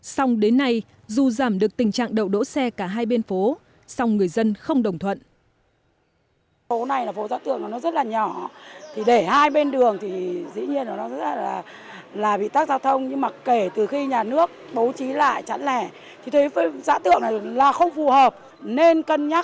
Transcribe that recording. xong đến nay dù giảm được tình trạng đậu đỗ xe cả hai bên phố song người dân không đồng thuận